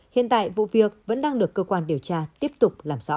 hiện tại vụ việc vẫn đang được cơ quan điều tra tiếp tục làm rõ